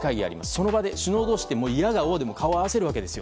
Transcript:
その場で首脳同士でいやが応にも顔を合わせるわけです。